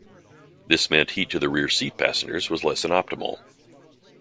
This meant heat to the rear seat passengers was less than optimal.